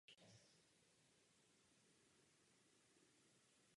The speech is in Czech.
Komise bude v pomoci těmto zemím nadále pokračovat.